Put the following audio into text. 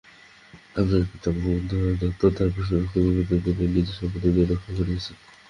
আমার পিতামহ উদ্ধব দত্ত তাঁর প্রভুবংশকে বিপদের দিনে নিজের সম্পত্তি দিয়া রক্ষা করিয়াছেন।